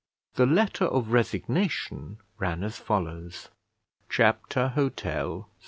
The letter of resignation ran as follows: CHAPTER HOTEL, ST.